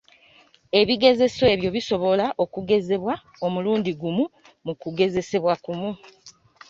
Ebigezeso ebyo bisobola okugezebwa, omulundi gumu mu kugezesebwa kumu.